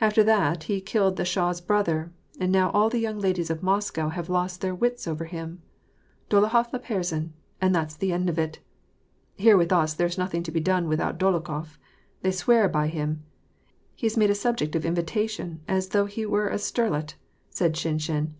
After that he killed the Shah's brother, and now all the young ladies of Moscow have lost their wits over him. Dololwff le JFersan, and that's the end of it. Here with us there's nothing to be done without Dolokhof. They swear by him. He is made a subject of invi tation, as though he were a sterlet," said Shinshin.